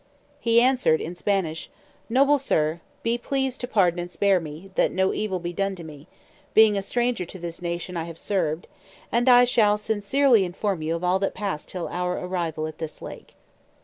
He answered, in Spanish, "Noble sir, be pleased to pardon and spare me, that no evil be done to me, being a stranger to this nation I have served, and I shall sincerely inform you of all that passed till our arrival at this lake.